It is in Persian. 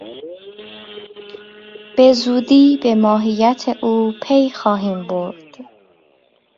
بزودی به ماهیت او پی خواهیم برد.